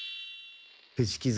伏木蔵